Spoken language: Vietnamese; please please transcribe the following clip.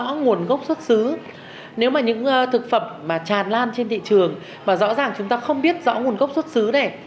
rõ nguồn gốc xuất xứ nếu mà những thực phẩm mà tràn lan trên thị trường và rõ ràng chúng ta không biết rõ nguồn gốc xuất xứ này